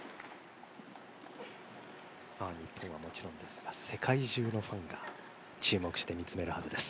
日本はもちろんですが世界中のファンが注目して見つめるはずです。